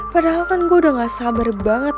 padahal kan gue udah gak sabar banget